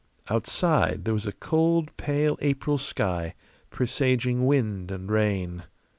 Outside there was a cold, pale April sky, presaging wind and rain.